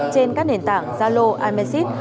trên các nền tảng zalo imessage